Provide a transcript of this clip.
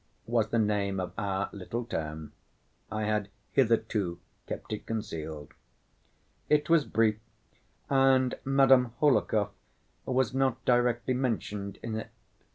was the name of our little town. I had hitherto kept it concealed.) It was brief, and Madame Hohlakov was not directly mentioned in it.